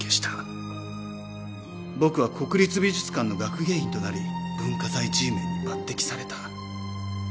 僕は国立美術館の学芸員となり文化財Ｇメンに抜擢された。